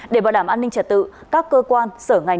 để bảo đảm an ninh trật tự các cơ quan sở ngành